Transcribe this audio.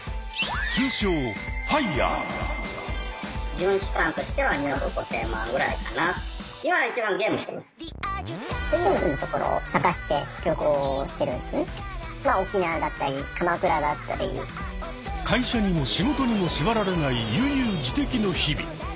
通称会社にも仕事にも縛られない悠々自適の日々。